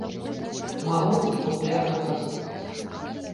Магу і папулярную паслухаць.